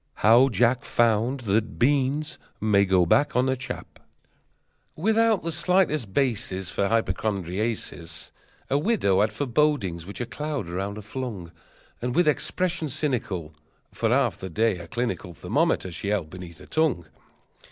How Jack Found that Beans May go Back on a Chap Without the slightest basis For hypochondriasis A widow had forebodings which a cloud around her flung, And with expression cynical For half the day a clinical Thermometer she held beneath her tongue.